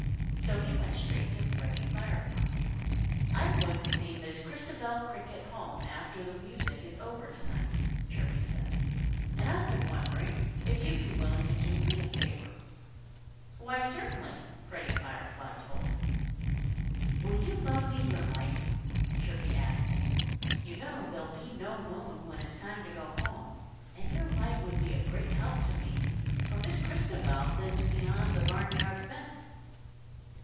So he went straight to Freddie Firefly. "I'm going to see Miss Christabel Cricket home after the music is over tonight," Chirpy said, "and I've been wondering if you'd be willing to do me a favor." "Why, certainly!" Freddie Firefly told him. "Will you loan me your light?" Chirpy asked him. "You know there'll be no moon when it's time to go home. And your light would be a great help to me, for Miss Christabel lives beyond the barnyard fence."